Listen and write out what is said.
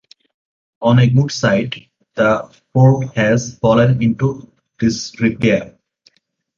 On a good site, the fort has fallen into disrepair.